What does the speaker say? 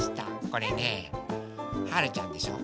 これねはるちゃんでしょ。